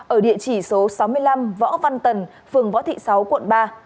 ở địa chỉ số sáu mươi năm võ văn tần phường võ thị sáu quận ba